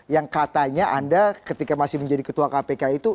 yang katanya anda ketika masih menjadi ketua kpk itu